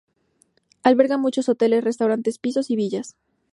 Alberga muchos hoteles, restaurantes, pisos y villas.